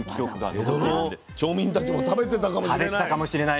江戸の町民たちも食べてたかもしれない。